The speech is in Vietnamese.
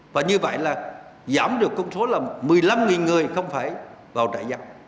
và như vậy là giảm được công số là một mươi năm người không phải vào trại giặc